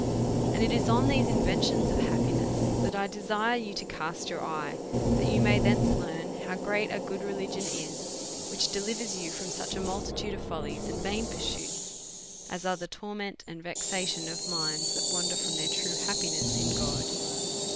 And it is on these inventions of happiness that I de sire you to cast your eye, that you may thence learn how great a good religion is, which delivers you from such a multitude of follies and vain pursuits as are the torment and vexation of minds that wander from their true happiness in God.